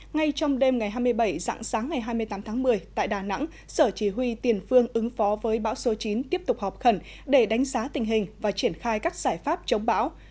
ngay trong đêm ngày hai mươi bảy dạng sáng ngày hai mươi tám tháng một mươi tại đà nẵng sở chỉ huy tiền phương ứng phó với bão số chín tiếp tục họp khẩn để đánh giá tình hình và triển khai các giải pháp chống bão